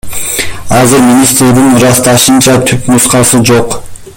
Азыр министрдин ырасташынча, түп нускасы жок.